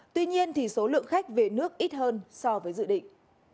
tuy nhiên số lượng khách về nước ít hơn so với dự định